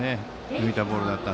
抜いたボールでした。